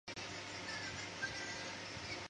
大埔道于郝德杰道后通往琵琶山段。